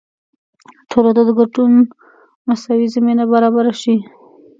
ټولو ته د ګډون مساوي زمینه برابره شي.